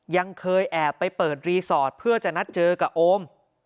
ยังเคยแอบไปเปิดรีสอร์ทเพื่อจะนัดเจอกับโอม